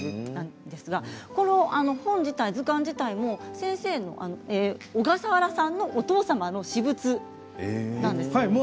図鑑自体も先生小笠原さんのお父様の私物なんです。